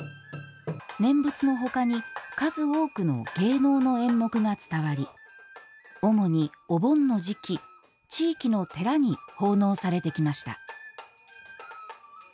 念仏のほかに数多くの芸能の演目が伝わり主にお盆の時期地域の寺に奉納されてきました。